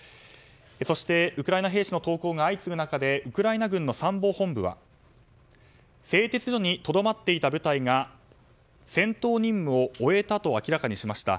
そして、ウクライナ兵士の投降が相次ぐ中でウクライナ軍参謀本部は製鉄所にとどまっていた部隊が戦闘任務を終えたと明らかにしました。